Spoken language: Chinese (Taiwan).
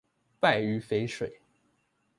敗於淝水